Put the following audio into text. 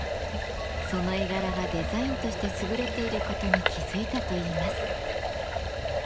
その絵柄がデザインとして優れていることに気付いたといいます。